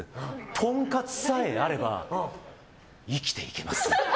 とんかつさえあれば生きていけます。